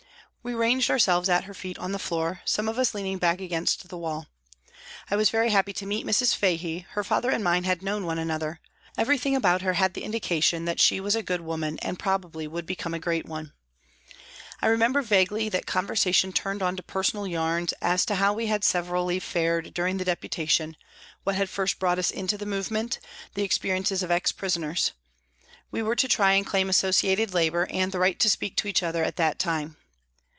We ranged ourselves at her feet on the floor, some of us leaning back against the wall. I was very happy to meet Mrs. Fahey, her father and mine had known one another; every thing about her had the indication that she was a good woman and probably would become a great one. I remember vaguely that conversation turned HOLLOWAY PRISON 69 on to personal yarns as to how we had severally fared during the Deputation, what had first brought us into the movement, the experiences of ex prisoners. We were to try and claim associated labour and the right to speak to each other at that time.